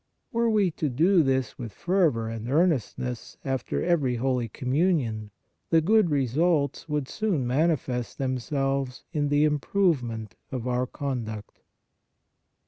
Were we to do this with fervor and earnest ness after every holy Communion, the good re sults would soon manifest themselves in the im provement of our conduct.